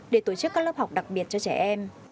để tổ chức các lớp học đặc biệt cho trẻ em